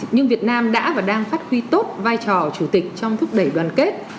nhưng việt nam đã và đang phát huy tốt vai trò chủ tịch trong thúc đẩy đoàn kết